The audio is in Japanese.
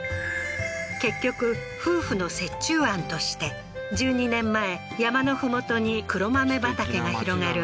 結局夫婦の折衷案として１２年前山の麓に黒豆畑が広がる